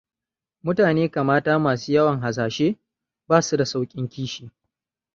Mutane kamata masu yawan hasashe, basu da saukin kishi.